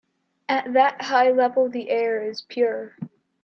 At that high level the air is pure.